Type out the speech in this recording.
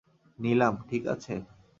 নিলাম, ঠিক আছে?